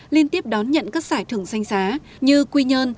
liên tiếp đón nhận các xã thường xanh xá như quy nhơn